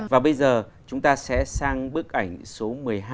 và bây giờ chúng ta sẽ sang bức ảnh số một mươi hai